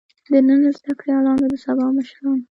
د نن زده کړيالان د سبا مشران.